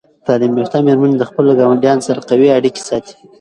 تعلیم یافته میرمنې د خپلو ګاونډیانو سره قوي اړیکې ساتي.